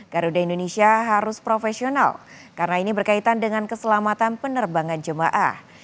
garuda indonesia harus profesional karena ini berkaitan dengan keselamatan penerbangan jemaah